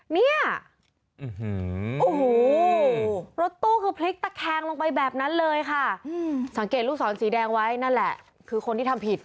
เนี่ยโอ้โหรถตู้คือพลิกตะแคงลงไปแบบนั้นเลยค่ะสังเกตลูกศรสีแดงไว้นั่นแหละคือคนที่ทำผิด